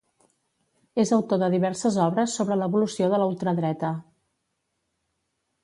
És autor de diverses obres sobre l'evolució de la ultradreta.